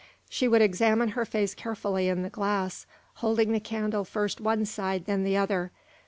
She would examine her face carefully in the glass, holding the candle first one side, then the other.